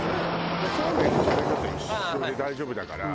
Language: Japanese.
そうめんと食べ方一緒で大丈夫だから。